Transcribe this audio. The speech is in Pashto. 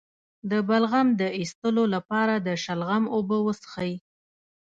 د بلغم د ایستلو لپاره د شلغم اوبه وڅښئ